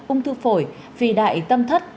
ung thư phổi phì đại tâm thất